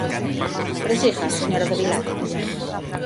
Prosiga, señora do Vilar.